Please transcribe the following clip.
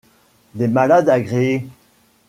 Des malades agréé.